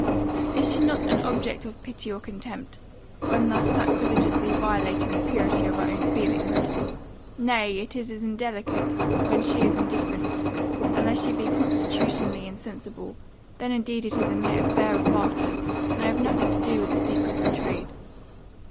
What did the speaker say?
Is she not an object of pity or contempt, when thus sacrilegiously violating the purity of her own feelings? Nay, it is as indelicate, when she is indifferent, unless she be constitutionally insensible; then indeed it is a mere affair of barter; and I have nothing to do with the secrets of trade.